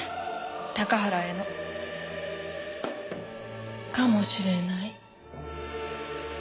高原への。かもしれない。